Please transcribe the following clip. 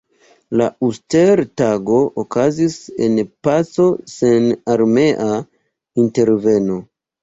La Uster-Tago okazis en paco sen armea interveno.